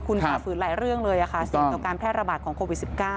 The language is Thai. คุณฝ่าฝืนหลายเรื่องเลยค่ะเสี่ยงต่อการแพร่ระบาดของโควิด๑๙